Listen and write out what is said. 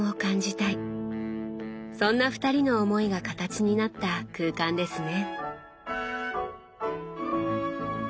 そんな二人の思いが形になった空間ですね。